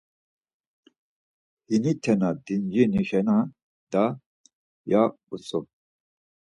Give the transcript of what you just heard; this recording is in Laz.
Hinite na dincini şena da, ya utzu.